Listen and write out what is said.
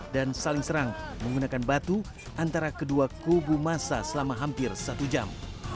dan saling serang menggunakan batu antara kedua kubu massa selama hampir satu jam